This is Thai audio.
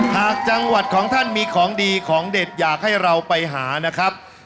หากจังหวัดของท่านมีของดีของเด็ดอยากให้เราไปหานะครับ